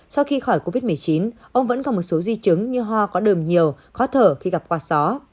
sau khi khỏi covid một mươi chín ông vẫn còn một số di chứng như hoa có đờm nhiều khó thở khi gặp quạt gió